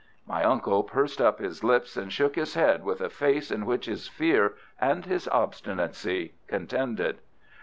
My uncle pursed up his lips and shook his head, with a face in which his fear and his obstinacy contended.